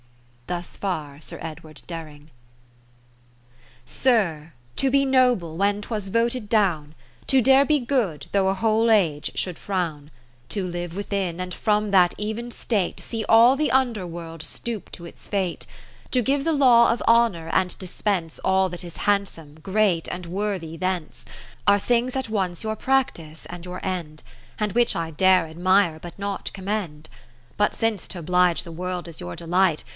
Thus far Sir Edw. Dering. Sir, To be noble, when 'twas voted dowuj To dare be good, though a whole age should frown ; To live within, and from that even state See all the under world stoop to its fate ; To give the Law of Honour, and dispense All that is handsome, great and worthy thence ; Are things at once your practice and your end, And which I dare admire, but not commend. But since t' oblige the world is your delight.